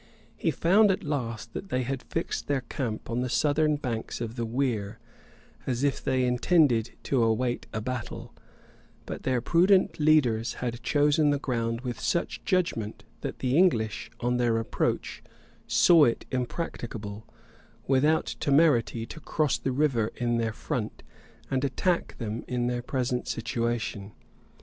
[] He found at last that they had fixed their camp on the southern banks of the Were, as if they intended to await a battle; but their prudent leaders had chosen the ground with such judgment, that the English, on their approach, saw it impracticable, without temerity, to cross the river in their front, and attack them in their present situation.